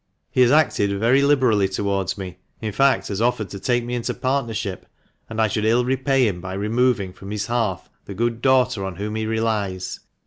He has acted very liberally towards me — in fact, has offered to take me into partnership — and I should ill repay him by removing from his hearth the good daughter on whom he relies.